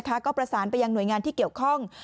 ก็ประสานไปยังหน่วยงานที่เกี่ยวข้อง